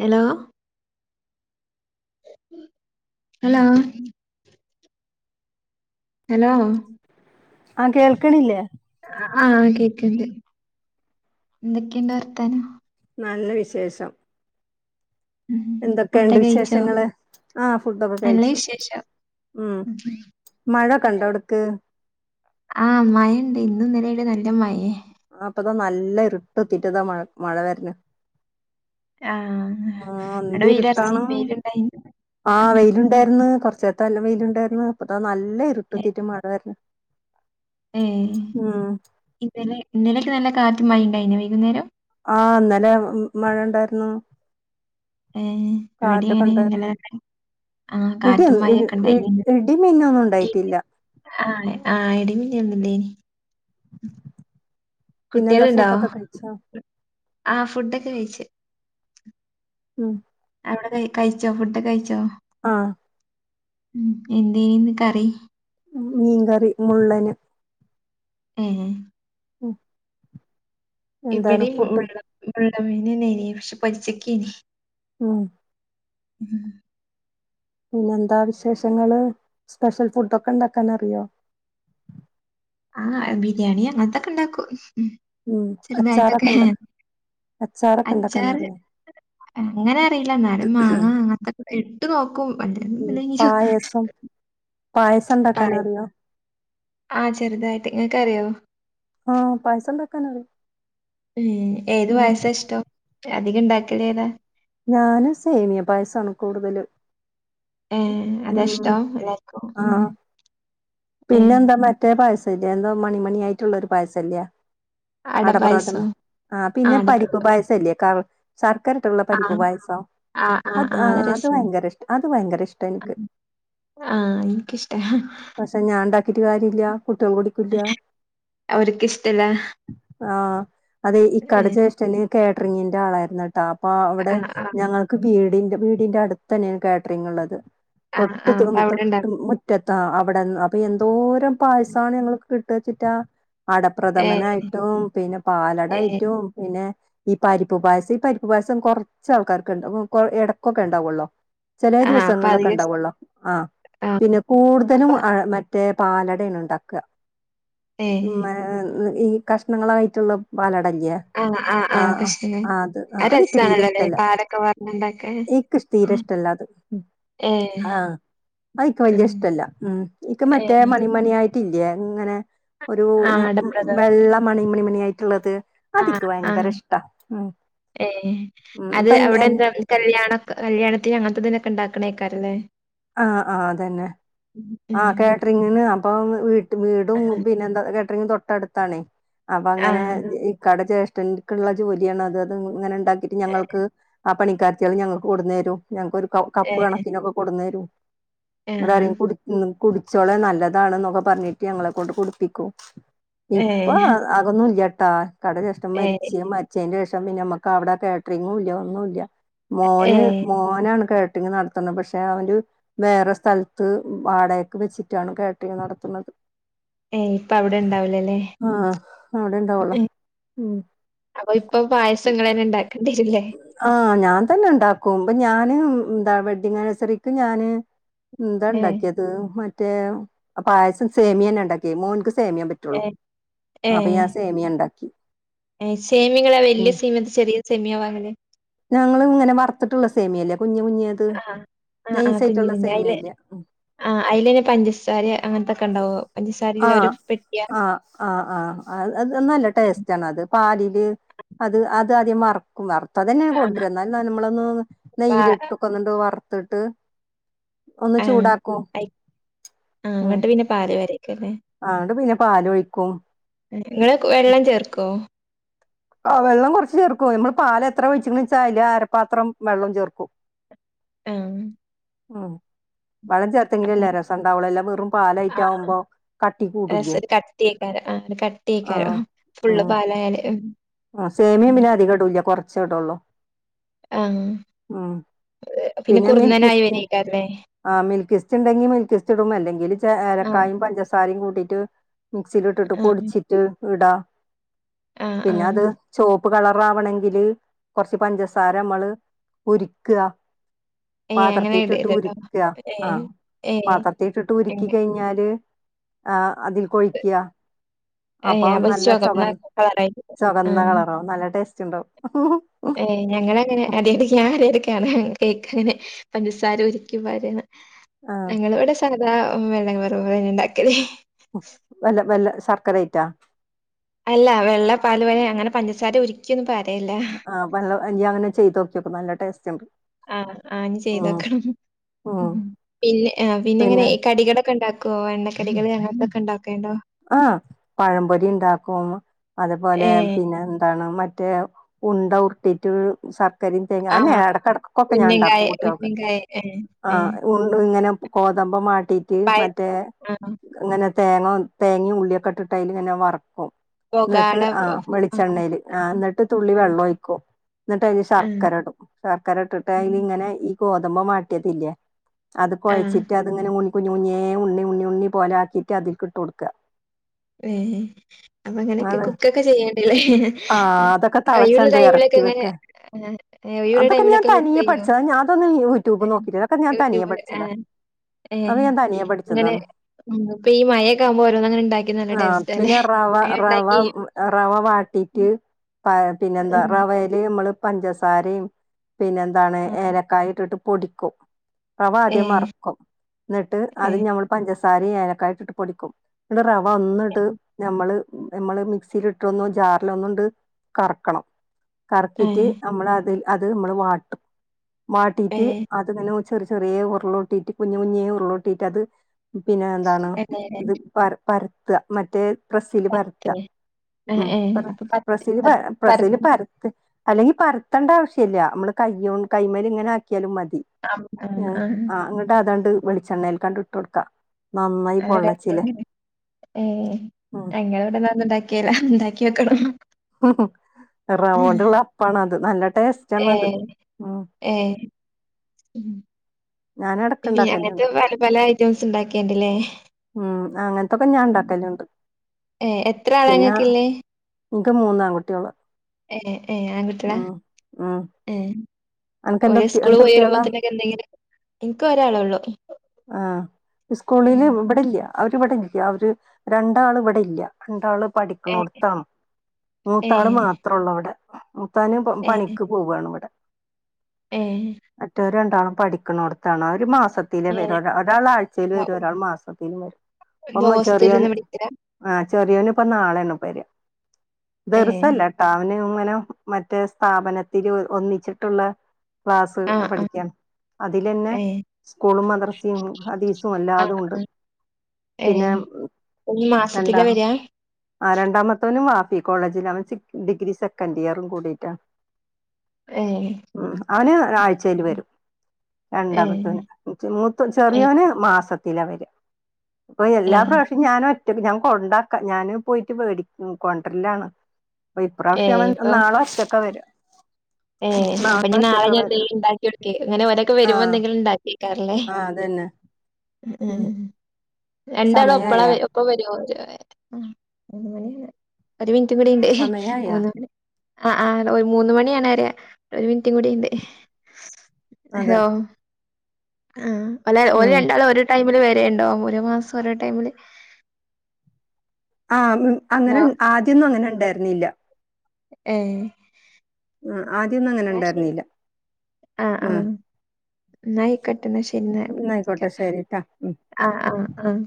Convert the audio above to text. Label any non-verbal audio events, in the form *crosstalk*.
Hello. Hello. Hello. ആഹ കേൾക്ക്ണില്ലേ. ആഹ കേക്ക്ണ്ട് എന്തൊക്കെണ്ട് വർത്താനം. നല്ല വിശേഷം ഉം എന്തൊക്കെണ്ട് ഫുഡൊക്കെ കഴിച്ചോ വിശേഷങ്ങള് ആഹ ഫുഡൊക്കെ നല്ല കഴിച്ചു വിശേഷം ഉം മഴൊകണ്ടോ അവ്ട്ക്ക് ആഹ് മയണ്ട് ഇന്നും ഇന്നലേ ആയിട്ട് നല്ല മയയേ ആഹ് ഇപ്പതാ നല്ല ഇരുട്ട് ഒത്തീട്ടതാ മഴ മഴ വരന് ആഹ് ആഹ് എടെ എന്ത് വെയിലറച്ചി ഇരുട്ടാണ് വെയിലണ്ടായിനു ആഹ് രുന്ന് കൊറച്ച് നേരത്ത എല്ലാം വെയിലുണ്ടായിരുന്നു അപ്പത നല്ല ഇരുട്ടെത്തിട്ട് മഴ വരണു ഏഹ് ഇന്നലെ ഇന്നലൊക്കെ നല്ല കാറ്റും മയീണ്ടായിന്നോ വൈകുന്നേരം ആഹ് ഇന്നലെ മഴ ഇണ്ടാരുന്നു ഏഹ് ഇവടെയാണെ ഉണ്ടായിരുന്നു ഇന്നലെ ആഹ് ഇടി കാറ്റും മഴൊക്കെ ഇണ്ടായി ഇടി മിന്നൊന്നും ഉണ്ടായിട്ടില്ല ആഹ് ആഹ് ഇടിമി *unintelligible* നി പിന്നെന്താ കുട്ടിയോളുണ്ടോ ഫുഡൊക്കെ കഴിച്ചോ ആഹ് ഫുഡൊക്കെ കഴിച്ചു ഉം അവടെ ക കഴിച്ചോ ഫുഡ് കഴിച്ചോ ആഹ് ഉം എന്തേയിന്ന് കറി? മീൻങ്കറി മുള്ളന് ഏഹ് ഉം എന്താണ് ഇവടേം ഫുഡ് മുള്ളമീനന്നെ അയിനി പക്ഷെ പൊരിച്ചിക്കിനി ഉം ഉം പിന്നെ എന്താ വിശേഷങ്ങള് സ്പെഷ്യൽ ഫുഡൊക്കെണ്ടാക്കാൻ അറിയോ ആഹ് ബിരിയാണി അങ്ങനത്തൊക്കെണ്ടാക്കും ചെറുതായിട്ടൊക്കെ അച്ചാറ് അച്ചാറൊക്കെണ്ടാക്കാനറിയോ? അങ്ങനെ അറീയീല്ല എന്നാലും മാങ്ങ അങ്ങത്തെക്കെ ഇട്ട് നോക്കും ഉം *unintelligible* പായസം പായസം ആഹ് ഇണ്ടാക്കാനറിയോ ആഹ് ചെറുതായിട്ട് ഇങ്ങക്ക് അറിയോ ആഹ് പായസം ഒണ്ടാക്കാനറിയാം ഉം ഏത് പായസാ ഇഷ്ടം അധികം ഇണ്ടാക്കലേതാ ഞാന് സേമിയ പായസാണ് കൂടുതലും ഏഹ് ഉം അതാ ഇഷ്ടം എല്ലാർക്കും ഉം ആഹ് പിന്നെ ഏഹ് എന്താ മറ്റ റ്റേ പായസവില്ലേ എന്തോ മണിമണിയായിട്ടുള്ളൊരു പായസല്ലേ അടപ്പായസോ അടപ്രഥമൻ ആഹ് പിന്നെ പരിപ്പ് പായസംല്ലേ ശർക്കാരിട്ടുള്ള പരിപ്പ് ആഹ് പായസോ അത് ആഹ് അത് ഭയങ്കര ഇഷ് അത് ഭയങ്കര ഇഷ്ടാനിക്ക് ആഹ് എനിക്കിഷ്ടാ പക്ഷെ ഞാൻണ്ടാക്കിട്ട് കാര്യല്ല കുട്ടികൾ കുടി ക്കൂല്ല അവർക്ക് ഇഷ്ടല്ല ആഹ് അതെ ഇക്കടെ ഏഹ് ജേ ഷ്ടന് കേറ്ററിങ്ങിന്റെ ആളായിരുന്നുട്ടാ അപ്പ ആഹ് ആഹ് ഞങ്ങക്ക് വീടി വീടിന്റെ അടുത്തെന്നെയാണ് കാറ്ററിംഗ് ഇള്ളത് ആഹ് തൊട്ട് ആഹ് അപ്പ അവിടെ തൊട്ട് മു റ്റത്ത അവടെന്ന് അപ്പൊ എന്തോരം ഉണ്ടാക്കും പായസാണ് ഞങ്ങക്ക് കിട്ടാച്ചിട്ടാ ഏഹ് അടപ്രഥമനായിട്ടും പിന്നെ ഏഹ് പാലടായിട്ടും പിന്നെ ഈ പരിപ്പ് പായസം ഈ പരിപ്പ് പായസം കൊറ ച്ച ആൾക്കാർക്ക് ഇണ്ടാവും എടക്കൊക്കെ ഉണ്ടാവുള്ളോ ചെലേ ആഹ് അപ്പൊ ദിവസങ്ങളിലൊക്കെ അധികം ഇഷ് ഉണ്ടാവുള്ളോ ആഹ് ആഹ് പിന്നെ അപ്പ കൂടുതലും മറ്റേ പാലടയാണ് ഇണ്ടാക്കാ ഏഹ് ഈ കഷ്ണങ്ങളായിട്ടുള്ള പാലടല്ലേ ആഹ് ആഹ് ആ ആഹ് ആ കഷ്ണ ആ അത് അതെനിക്ക് തീരെ ഇഷ്ട്ടമല്ല രസാണല്ലോല്ലേ പാലൊക്കെ പാർന്ന്ണ്ടാക്കാൻ എനിക്ക് തീരെഷ്ടല്ല അത് ഏഹ് ആഹ് അത് എനിക്ക് വലിയ ഉം ഇഷ്ടമില്ല മം എനിക്ക് മറ്റേ ഏഹ് മണി ണിമണി ആയിട്ടില്ലേ ഇങ്ങനെ ഒരു ആഹ് അടപ്രഥമൻ വെള്ള മണിമണിമണി ആയിട്ടുള്ളത് അതെനിക്ക് ആഹ് ഭയങ്കര ആഹ് ഇഷ്ട മം ഏഹ് അത് അവിടെ എന്താ കല്യാണ കല്യാണത്തിന് അങ്ങനത്തെതിനൊക്കെ ഉണ്ടാക്കണേക്കാരല്ലേ ആഹ് ആഹ് അതന്നെ ആ ഉം കാറ്ററിങ്ങിന് അപ്പം വീട്ട് ട്ട് വീടും പിന്നെ എന്താ കേട്ടറിങ്ങും തൊട്ടടുത്താണേ അപ്പൊ അങ്ങനെ ആഹ് ഇക്കാടെ ജ്യേഷ്ഠൻ നോക്കെള്ള ജോലിയാണ് അത് അത് ഇങ്ങനെ ഉണ്ടാക്കിട്ട് ഞങ്ങൾക്ക് ആ പണിക്കാരത്തികള് ഞങ്ങക്ക് കൊണ്ടെന്ന് തരും ഞങ്ങക്കൊരു കപ് കപ്പ് ഏഹ് കണക്കിനൊക്കെ കൊണ്ടുന്നു തരും ഇവിടെ ആഹ് ആരും കു ഉം കുടിച്ചോളെ നല്ലതാണെന്ന് എന്നൊക്കെ പറഞ്ഞിട്ട് ഞങ്ങളെക്കൊണ്ട് കുടിപ്പിക്കൂ ഇപ്പൊ ഏഹ് അതൊന്നും ഇല്ല ട്ടാ ഇക്കാടെ ജേഷ്ഠൻ ഏഹ് മരിച്ച് മരി ച്ചേന് ശേഷം പിന്നെ നമ്മുക്ക് അവിടെ കാറ്ററിംഗ് ഇല്ല ഒന്നുമില്ല മോന് ഏഹ് മോനാണ് കേറ്റ് റിംഗ് നടത്തുന്നു പക്ഷെ അവരു വേറെ സ്ഥലത്ത് വാടകക്ക് വെച്ചിട്ടാണ് കാറ്ററിംഗ് നടത്തണത് ഏയ് ഇപ്പൊ അവിടെ ഇണ്ടാവിലല്ലേ ആഹ് അവിടെ ഉണ്ടാവുള്ളോ ഉം അപ്പൊ ഇപ്പൊ പായസം ഇങ്ങള് അന്നെ ഉണ്ടാക്കേണ്ടി വരില്ലേ ആഹ് ഞാൻ തന്നെ ഉണ്ടാക്കും ഇപ്പൊ ഞാന് എന്താ വെഡിങ് ആന്നിവേഴ്‌സറിക്ക് ഞാന് എന്താ ഏഹ് ഉണ്ടാക്കിയത് മറ്റേ പായസം സേമിയന്നെ ഉണ്ടാക്കിയേ മോന്ക്ക് സേമിയ പറ്റ് റ്റുള്ളൂ ഏഹ് അപ്പൊ ഏഹ് ഞാൻ സേമിയ ഇണ്ടാക്കി ഏഹ് സേമിയ നിങ്ങള് വലിയ സേമിയതോ ചെറിയ സേമിയാ വാങ്ങല് ഞങ്ങള് ഇങ്ങനെ വറത്തിട്ടുള്ള സേമിയ ഇല്ലേ കുഞ്ഞ് കുഞ്ഞത് ആഹ് ആഹ് ആഹ് നൈസ് കുഞ്ഞ് ആയിട്ടുള്ള കുഞ്ഞ് സേമിയ അയില് ഇല്ലേ ആഹ് അയിലന്നെ പഞ്ചസാര അങ്ങനത്തൊക്കെ ഉണ്ടാവുവോ പഞ്ചസാര ഉള്ളൊരു പെട്ടിയാ ആഹ് ആഹ് അ അത് നല്ല ടേസ്റ്റ് ആണ് അത് പാലില് അത് അത് ആദ്യം വറ ക്കും വറത്തത് തന്നെയ ആഹ് കൊണ്ടരാ എന്നാലും നമ്മളൊന്ന് പാ നെയ്യില് ഇട്ട് ഇപ്പൊ അങ്ങട്ട് വറത്തിട്ട് ആഹ് അയി ആഹ് അങ്ങട്ട് പിന്നെ പാല് ഒഴിക്കും അല്ലെ ആഹ് അന്നിട്ട് പിന്നെ പാല് ഒഴിക്കും ഇങ്ങള് വെള്ളം ചേർക്കോ ആഹ് വെള്ളം കുറച്ച് ചേർക്കും നമ്മള് പാല് എത്ര ഒഴിച്ചെന്നു വച്ച അയില് അരപ്പാത്രം വെള്ളം ചേർക്കും എആഹ് ആഹ് വെള്ളം ചേർത്തെങ്കിലല്ലെ അപ്പം രസം ഉണ്ടാവുള്ളു അല്ല വെറും പാലായിട്ടാകുമ്പോ കട്ടി കൂടൂല്ലേ കട്ടി ആയിക്കരോ ആഹ് അങ്ങനെ കട്ടി ആയിക്കരോ ഫുള്ള് പാലായാല് ആഹ് സേമിയയും ഉം പിന്നെ അധികം ഇടുല്ല കുറച്ചേ ഇടുള്ളൂ ആഹ് ഉം പിന്നെ കുറുന്നനായി മിൽക്കിസ്റ്റ് വരേക്കാരല്ലേ? ആഹ് മിൽക്കിസ്റ്റ് ഉണ്ടെങ്കി മിൽക്കിസ്റ്റ് ഇടും അല്ലെങ്കിൽ ആഹ് ഏലക്കായും പഞ്ചസാ സാരയും കൂട്ടിയിട്ട് മിക്സില് ഇട്ടിട്ട് ആഹ് പൊടിച്ചിട്ട് ഇടാ ആ ആ പിന്നെ അത് ചുവപ്പ് കളറാവണവെങ്കില് കൊറച്ച് പഞ്ചസാര നമ്മള് ഉരുക്കാ ഏയ് അങ്ങനെ പാത്രത്തിട്ടിട്ട് ഇടരുതട്ടോ. ഉരുക്ക ഏയ് ആഹ് ഏയ് പാത്രത്തിട്ടിട്ട് അങ്ങ ഉരുക്കി കഴിഞ്ഞാല് ആഹ് അതില്ക്ക് ഒഴിക്ക ഏയ് അപ്പം അപ്പൊ നല്ല ചുവന്ന ചൊവ കളറായിരിക്കും. ആ ചൊകന്ന കളറാവും നല്ല ടേസ്റ്റ് ഉണ്ടാവും ഏയ് ഞങ്ങളങ്ങനെ *unintelligible* കേക്ക് *unintelligible* പഞ്ചസാര ഉരുക്കി വരണ്. ആ ഞങ്ങളിവിടെ സാധാ വെള്ളപ്പാലുപോലെ ഇണ്ടാക്കല് വെല്ലം വെല്ലം സർക്കരയിട്ടാ അല്ലാ വെള്ളപാലുപോലെ അങ്ങനെ പഞ്ചസാര ഉരുക്കിയൊന്നും പരയല്ല. വെള്ളം ഇനിയങ്ങനെ ചെയ്തുനോക്കിയപ്പം നല്ല ടേസ്റ്റൊണ്ട്. ആ ആ ഇനി ചെയ്തോക്കാം ഉം പിന്നെ ആ പിന്നെയെങ്ങനെ പിന്നെ ഇ കടികളൊക്കെ ഉണ്ടാ ക്കൊ എണ്ണക്കടികള് അങ്ങെൻത്തെക്കെ ഉണ്ടാക്കേൻണ്ടോ ആ പഴംപൊരി ഇണ്ടാക്കും ഏ അതെപോലെ പിന്നെയെന്താണ് മറ്റേ ഉണ്ട ഉരുട്ടീട്ട് സർ കരീം തേങ്ങ ആ ആന്നെ എടക്കെടക്കൊക്കെ ഞാൻ ഉന്നങ്കായ ഇണ്ടാക്കും കുട്ടികൾക്ക് ഉന്നങ്കായ ഏ ആ ഏ ഉണ്ട ഇങ്ങനെ. ഗോതമ്പും വാട്ടീട്ട് പായ മറ്റേ ആ ഇങ്ങനെ തേങ്ങാ തേങ്ങയും ഉള്ളിയൊക്കെയിട്ടിട്ട് അയിലിങ്ങനെ വറക്കും. എന്നിട്ട് പൊകാട ആ വെളിച്ചെണ്ണേല് ആ എന്നിട്ട് തുള്ളി വെള്ളൊഴിക്കും. എന്നിട്ട് അയില് ആ ശർക്കരയിടും ശർക്കര ഇട്ടിട്ട് അയിലിങ്ങനെ ഇ ഗോതമ്പ് വാട്ടിയതില്ലേ ആ ആ അതുകൊഴച്ചിട്ട് അതിങ്ങനെ ഉണ്ണി കുഞ്ഞ് കുഞ്ഞിയേ ഉണ്ണി ഉണ്ണി ഉണ്ണി പോലെ ആക്കിയിട്ട് അതിൽകിട്ടുകൊടുക്കുക. ഏ അപ്പൊ അങ്ങനെയൊക്കെ കുക്കൊക്കെ ചെയ്യാണ്ടല്ലേ. ആഹ് അതൊക്കെ ഒഴിവൊള്ള തളച്ചണ്ട് ഇറക്കി ടൈമിലൊക്കെയിങ്ങനെ വെക്ക ഒഴിവൊള്ള അതൊക്കെ ഞാൻ ടൈമിലൊക്കെ കുക്ക് തനിയെ ചെയ്യോ. പഠിച്ചതാ ഞാൻ അതൊന്നും യൂട്യൂബ് ഏ നോക്കിയില്ല അതൊക്കെ ഞാൻ തനിയെ യൂട്യൂബില് പഠിച്ചതാ ആൻ ഏ അതൊക്കെ ഞാൻ തനിയെ ഇങ്ങനെ പഠിച്ചതാണ് ഉം ഇപ്പ ഈ മഴയൊക്കെ ആവുമ്പോ ഓരോന്നങ്ങനെ ഇണ്ടാക്കി നല്ല ആഹ് ടേസ്റ്റാല്ലേ പിന്നെ റവ അങ്ങനെ റവ ഇണ്ടാക്കി. റവ വാട്ടിയിട്ട് പ പിന്നെന്താ ഉം, റവേല് നമ്മള് പഞ്ചസാരയും. പിന്നെന്താണ് ആ, ഏലക്കായിട്ടിട്ട് പൊടിക്കും. റവ ഏ ആദ്യം വറക്കും എന്നിട്ട് ഏ അത് ഞമ്മള് പഞ്ചസാരയും ഏലക്കായിട്ടിട്ട് പൊടിക്കും. എന്നിട്ട് റവ ഏ ഒന്നിട്ട്. ഞമ്മള് നമ്മള് മിക്സിലിട്ടൊന്ന് ജാറിലൊന്നോണ്ട് കറക്കണം. ഏ കറക്കീട്ട് നമ്മളതിൽ അത് നമ്മള് വാട്ടും ഏ ഏ വാട്ടിയിട്ട് അതി ങ്ങനെ ചെറിയ ചെറിയ ഉരുളോട്ടിട്ട് കുഞ്ഞ് കുഞ്ഞേ ഉരുളോട്ടിട്ട് അത് പിന്നെ എന്താണ്. ഇത് പര പരത്തുക മറ്റേ പ്രസ്സില് പരത്ത പത്ത്, ഏ, ഉം ഏ, പ്ര അപ്പൊ പത്ത് പ്രസ്സില് പര പത്ത് പറഞ്ഞു പ്രസ്സില് പരത്ത്. അല്ലെങ്കി പരത്തണ്ട ആവശ്യല്ലാ നമ്മള് കൈയ്യോണ്ട് കൈമേലിങ്ങനെ ആക്കിയാലും മതി. ആ ആ ങ്ങാ ആ എന്നിട്ട് അതാണ്ട് വെളിച്ചെണ്ണേലെകാണ്ട് ഇട്ടുകൊടുക്കാം നന്നായി നല്ല പൊള്ള ഏ ഉം ഞങ്ങളവിടെഅതൊന്നും ഉണ്ടാക്കിയേല്ലാ ഉണ്ടാക്കിയോക്കണം. റൗണ്ടൊള്ള അപ്പാണത് നല്ല ടേസ്റ്റ് ഏ ഏ ഞാൻ എടക്ക് പിന്നെ അങ്ങനത്തെ ഇണ്ടാക്കല്ണ്ട് പല പല ഐറ്റംസ് ഉണ്ടാക്കിയേണ്ടല്ലേ. ഉം അങ്ങനെത്തൊക്കെ ഞാൻ ഉണ്ടാക്കലൊണ്ട്. ഏ എത്രയാളാ നിങ്ങക്കിള്ളേ നിക്ക് മൂന്നാൺകുട്ടികള്. ഏ ഏ ആൺകുട്ടിയളാ ഉം ഏ അനക്ക് എന്ത് ഓര് കുട്ടി എന്ത് സ്കൂള്പോയി കുട്ട്യോളാ വരുമ്പോത്തെനൊക്കെ എന്തെങ്കിലും എന്ക്ക് ഒരാളെയൊള്ളു. ആ സ്കൂളില് ഇവിടെയില്ലൃ അവര് ഇവിടെയില്ലൃ അവര് രണ്ടാള് ഇവിടെയില്ലാ. രണ്ടാള് ഏ പഠിക്കണോടത്താണ് ഏ മൂത്താള് മാത്രോ ഒള്ളൂ അവിടെ. മൂത്താന് പ ഏ പണിക്കു പോവാണ് ഇവിടെ. ഏ മറ്റോര് രണ്ടാളും പഠിക്കണോടത്താണ് അവര് മാസത്തിലെ ഏ വരൂ. ഒരാള് ആഴ്ചല് വരും ഒരാള് മാസത്തിലും വരും ഇപ്പ ചെറിയോന്. ഹോസ്റ്റലിൽന്ന് പഠിക്കലാ ആഹ് ചെറിയോനിപ്പൊനാളെണ് വര ഏ ദെർസല്ലെ. അവന് ഇങ്ങനെ മറ്റേ സ്ഥാപനത്തില് ഒന്നിച്ചിട്ടുള്ള. ക്ലാസ് ആ ആ പഠിക്കാൻ അതിലന്നെ ഏ സ്കൂളും മദർ. ഉ അദീസും ആ അല്ലാതും ഉണ്ട് ആ ഏ പിന്നെ ഈ എന്താ മാസത്തിലാ വരാ ആ രണ്ടാമത്തവനും വാഫി കോളേജിൽ അവൻ ഡിഗ്രി സെക്കൻഡ്യറും കൂടിട്ടാണ്. ഏ ഉ അവന് ഒരു ആഴ്ചയില് വരും ഏ രണ്ടാമത്തോന്. മൂത്ത ഏ ചെറിയോന് മാസത്തില വര അപ്പൊ ഏ എല്ലാ പ്ര. പക്ഷ ഞാനും ഒറ്റക്ക് ഞാൻ കൊണ്ടാക്കാം ഞാന് പോയിട്ട് കൊണ്ടരലാണ്. ഏ ഇപ്രാവശ്യ അവൻ നാളൊറ്റക്ക വര. ഏ ഹ അപ്പൊ ഇനി നാളെഞാന്തങ്കിലക്ക ഉണ്ടാക്കിവെക്കെ അങ്ങനെ ഒരൊക്കെ വരുമ്പോ ആഹ് എന്തങ്കിലും ഉണ്ടാക്കേ. ക്കറല്ലേ ആഹ് അതന്നെ ഉ. ഉം സമയായ രണ്ടാളൊപ്പളാ ഒപ്പം വരോ ഒരു മിൻറ്റും കൂടിണ്ട് സമയായ മൂന്ന് മണി ആഹ്ആഹ് മൂന്ന് മണിയാണെരെ. ഒരു മിൻറ്റും കൂടീണ്ട് അതെ ഹോഹ്. ആഹ് അല്ല ഓല് ഉം രണ്ടാളും ഒരു ടൈമില് വരേണ്ടാവുലേ ഒരേ മാസം ഒരേ ടൈമില്. ആഹ അങ്ങനെ ഹലോ ആദ്യൊന്നും അങ്ങനെ ണ്ടായ്ര്ന്നീല്ല ഏഹ്. ആദ്യൊന്നും അങ്ങനെ ന്നാ ശരി ഉണ്ടായിരുന്നില്ല ആഹ് ഉം ആഹ് ന്നാഅയ് കോട്ടെന്നാ ശെരി ന്നായിക്കോട്ടെ ന്നാക്കാം ശരിട്ടാ ഉം ആഹ് ആഹ്.